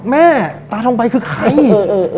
แม่ตาทองใบคือใคร